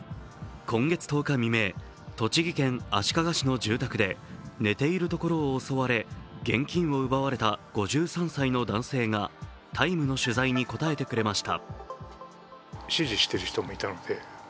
今月１０日未明、栃木県足利市の住宅で寝ているところを襲われ現金を奪われた５３歳の男性が「ＴＩＭＥ，」の取材に答えてくれました